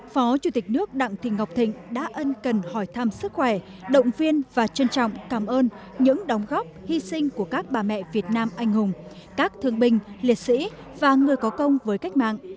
phó chủ tịch nước đặng thị ngọc thịnh đã ân cần hỏi thăm sức khỏe động viên và trân trọng cảm ơn những đóng góp hy sinh của các bà mẹ việt nam anh hùng các thương binh liệt sĩ và người có công với cách mạng